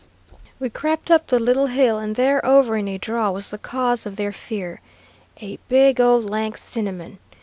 "We crept up the little hill, and there over in a draw was the cause of their fear, a big old lank Cinnamon.